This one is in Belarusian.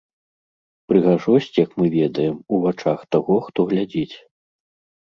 Прыгажосць, як мы ведаем, у вачах таго, хто глядзіць.